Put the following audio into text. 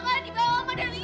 kalo ini harus berhasil